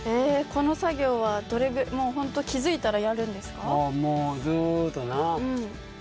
この作業はもうほんと気付いたらやるんですか？